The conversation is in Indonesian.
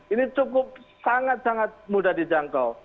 ini cukup sangat sangat mudah dijangkau